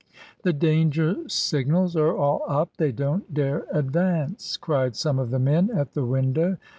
"The danger signals are all up. They don't dare advance!" cried some of the men at the window.